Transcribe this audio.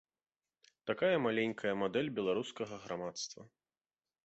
Такая маленькая мадэль беларускага грамадства.